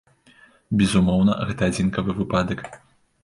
Безумоўна, гэта адзінкавы выпадак.